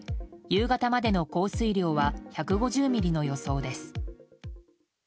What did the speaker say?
夕方までの降水量は１５０ミリの予想です。